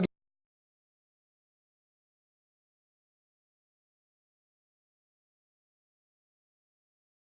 kpu dan partai partai politik